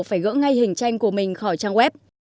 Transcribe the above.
phải gỡ ngay hình tranh của mình khỏi trang web